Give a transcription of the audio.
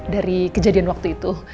dari kejadian waktu itu